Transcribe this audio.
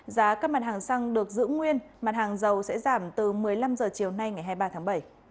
giá các mặt hàng xăng được giữ nguyên mặt hàng dầu sẽ giảm từ một mươi năm h chiều nay ngày hai mươi ba tháng bảy